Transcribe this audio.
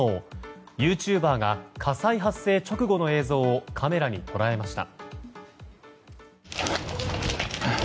ユーチューバーが火災発生直後の映像をカメラに捉えました。